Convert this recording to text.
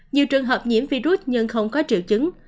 nhiều trường hợp nhiễm virus nhưng không có triệu chứng